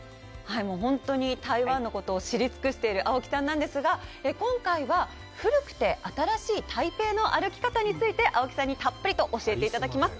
本当に台湾のことを知り尽くしている青木さんなんですが、今回は古くて新しい台北の歩き方について、青木さんにたっぷりと教えていただきます。